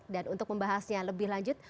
dan untuk membahasnya lebih lanjut